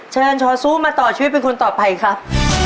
เชิญชอซูมาต่อชีวิตเป็นคนต่อไปครับ